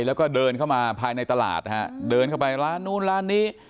แล้วก็เดินเข้ามาภายในตลาดนะฮะเดินเข้าไปร้านนู้นร้านนี้